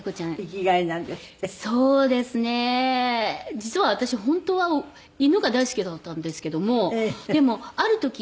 実は私本当は犬が大好きだったんですけどもでもある時